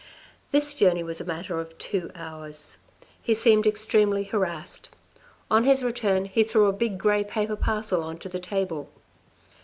This journey was a matter of two hours. He seemed extremely harassed. On his return he threw a big grey paper parcel on the table.